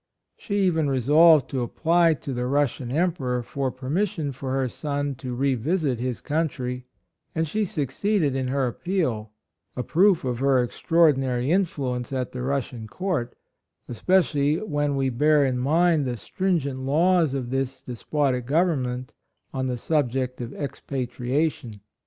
She even resolved to apply to the Russian Emperor for permis sion for her son to re visit his 6* 62 HIS COLONY, country, and she succeeded in her appeal — a proof of her extraor dinary influence at the Russian Court, especially when we bear in mind the stringent laws of this des potic government on the subject of expatriation.